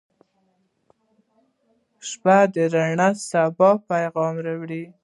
• شپه د روڼ سبا پیغام راوړي.